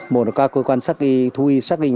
một là cơ quan thú y xác minh